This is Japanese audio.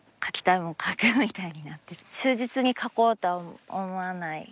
忠実に描こうとは思わない。